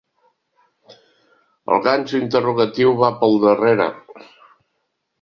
El ganxo interrogatiu va pel darrera.